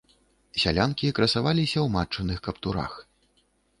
Сялянкі красаваліся ў матчыных каптурах.